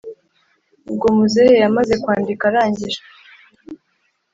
ubwo muzehe yamaze kwandika arangije